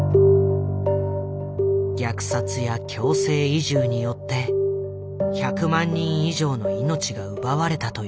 虐殺や強制移住によって１００万人以上の命が奪われたといわれている。